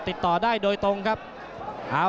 ติดตามยังน้อยกว่า